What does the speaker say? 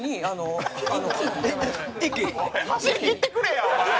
走りきってくれやお前！